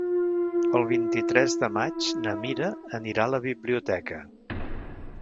El vint-i-tres de maig na Mira anirà a la biblioteca.